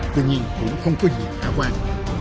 tuy nhiên cũng không có gì khả quan